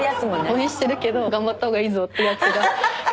応援してるけど頑張ったほうがいいぞってやつが言ってるの見たら。